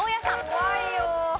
怖いよ。